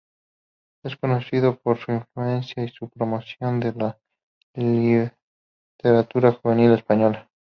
Es conocido por su influencia y su promoción de la literatura juvenil española.